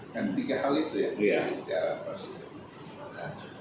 dan tiga hal itu yang diintiarkan pak presiden